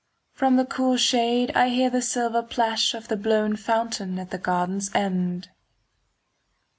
From the cool shade I hear the silver plash Of the blown fountain at the garden's end.